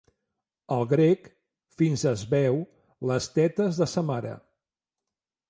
El grec fins es beu les tetes de sa mare.